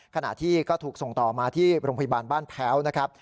ขณะที่ก็ถูกส่งต่อมาที่โรงพยาบาลบ้านแพ้วนะครับ